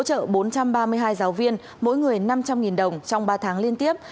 hỗ trợ bốn trăm ba mươi hai giáo viên mỗi người năm trăm linh đồng trong ba tháng liên tiếp